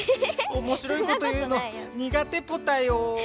おもしろいこと言うのにがてポタよ。